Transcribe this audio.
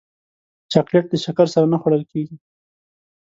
چاکلېټ د شکر سره نه خوړل کېږي.